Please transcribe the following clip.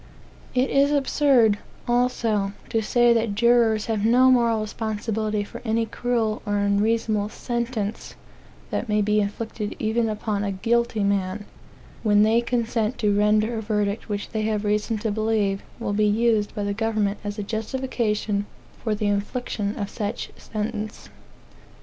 It is absurd, also, to say that jurors have no moral responsibility for any cruel or unreasonable sentence that may be inflicted even upon a guilty man, when they consent to render a verdict which they have reason to believe will be used by the government as a justification for the infliction of such sentence.